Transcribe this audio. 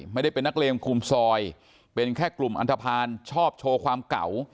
ไม่ได้เป็นนักเลงคุมซอยเป็นแค่กลุ่มอันทภาณชอบโชว์ความเก่า